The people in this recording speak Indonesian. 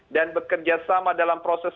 dan bekerja sama dalam proses